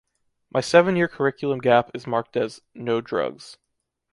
My seven year curriculum gap is marked as “No Drugs”.